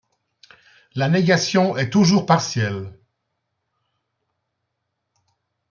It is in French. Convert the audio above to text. La négation est toujours partielle.